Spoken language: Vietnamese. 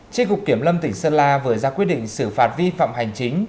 tri cục kiểm lâm tỉnh sơn la vừa ra quyết định xử phạt vi phạm hành chính